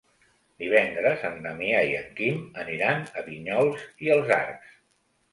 Divendres en Damià i en Quim aniran a Vinyols i els Arcs.